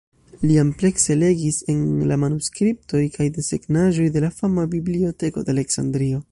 Li amplekse legis en la manuskriptoj kaj desegnaĵoj de la fama Biblioteko de Aleksandrio.